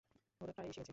ওরা প্রায় এসে গেছে।